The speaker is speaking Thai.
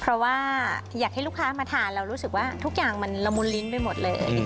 เพราะว่าอยากให้ลูกค้ามาทานเรารู้สึกว่าทุกอย่างมันละมุนลิ้นไปหมดเลย